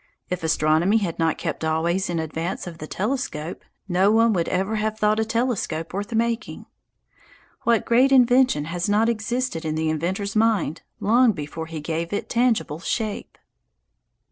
If astronomy had not kept always in advance of the telescope, no one would ever have thought a telescope worth making. What great invention has not existed in the inventor's mind long before he gave it tangible shape?